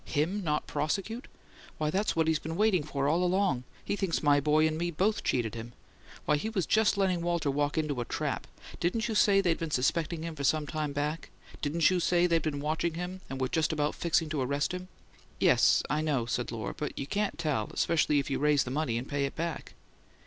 "Him not prosecute? Why, that's what he's been waiting for, all along! He thinks my boy and me both cheated him! Why, he was just letting Walter walk into a trap! Didn't you say they'd been suspecting him for some time back? Didn't you say they'd been watching him and were just about fixing to arrest him?" "Yes, I know," said Lohr; "but you can't tell, especially if you raise the money and pay it back."